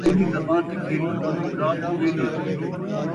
جین٘دی زبان تکھیری، اون٘دی ذات اُچیری